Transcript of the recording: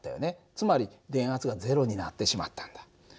つまり電圧が０になってしまったんだ。